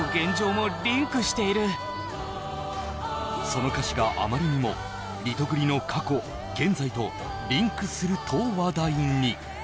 その歌詞があまりにもリトグリの過去、現在とリンクすると話題に。